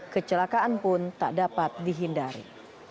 kecelakaan pun tak dapat dihindari